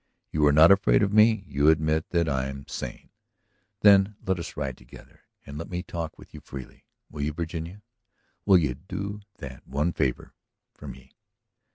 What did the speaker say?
You are not afraid of me; you admit that I am sane. Then let us ride together. And let me talk with you freely. Will you, Virginia? Will you do that one favor for me?"